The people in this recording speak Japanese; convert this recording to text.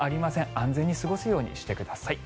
安全に過ごすようにしてください。